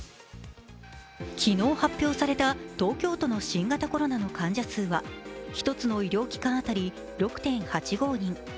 昨日発表された東京都の新型コロナの患者数は１つの医療機関当たり６．８５２。